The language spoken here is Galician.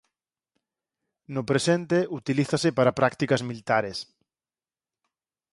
No presente utilízase para prácticas militares.